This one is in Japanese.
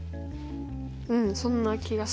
うんそんな気がする。